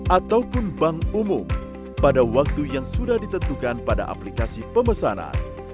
ataupun bank umum pada waktu yang sudah ditentukan pada aplikasi pemesanan